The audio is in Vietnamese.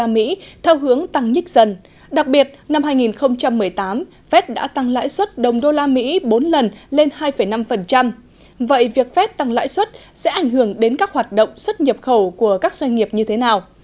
mỹ đã tăng lãi suất đồng đô la mỹ bốn lần lên hai năm vậy việc phép tăng lãi suất sẽ ảnh hưởng đến các hoạt động xuất nhập khẩu của các doanh nghiệp như thế nào